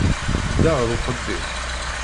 Tedda ɣer uxeddim.